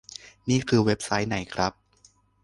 นี่คือเว็บไซต์ไหนครับ